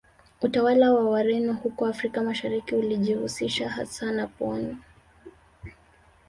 Utawala wa Wareno huko Afrika Mashariki ulijihusisha hasa na pwani